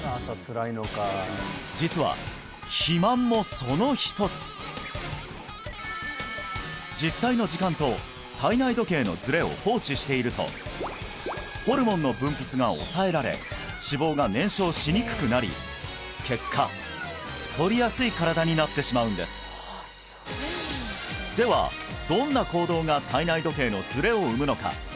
実は肥満もその一つ実際の時間と体内時計のズレを放置しているとホルモンの分泌が抑えられ脂肪が燃焼しにくくなり結果太りやすい身体になってしまうんですではどんな行動が体内時計のズレを生むのか